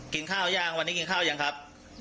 กินข้าวหรือยังวันนี้กินข้าวหรือยังครับ